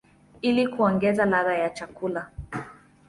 ili kuongeza ladha ya chakula.